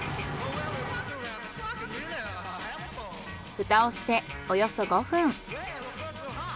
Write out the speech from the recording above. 蓋をしておよそ５分。